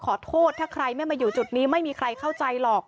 ขอโทษถ้าใครไม่มาอยู่จุดนี้ไม่มีใครเข้าใจหรอก